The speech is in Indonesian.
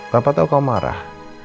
papa tau kamu marah